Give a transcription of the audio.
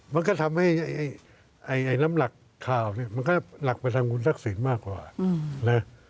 มันก็ทำให้น้ำหลากข่าวเนี่ยมันก็หลักไปทางคุณทักษิณมากกว่านะ